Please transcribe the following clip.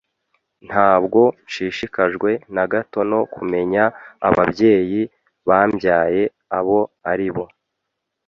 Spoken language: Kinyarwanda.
Ntabwo nshishikajwe na gato no kumenya ababyeyi bambyaye abo ari bo.